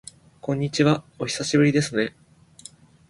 こんにちは、お久しぶりですね。